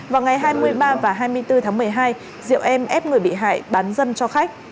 vào ngày hai mươi ba và hai mươi bốn tháng một mươi hai diệu em ép người bị hại bán dâm cho khách